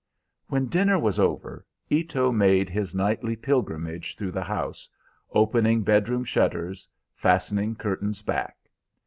When dinner was over, Ito made his nightly pilgrimage through the house, opening bedroom shutters, fastening curtains back.